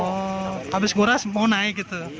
oh habis nguras mau naik gitu